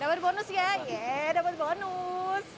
dapat bonus ya yeh dapat bonus